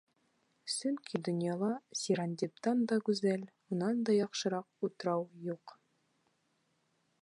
Сөнки донъяла Сирандиптан да гүзәл, унан да яҡшыраҡ утрау юҡ.